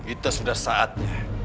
itu sudah saatnya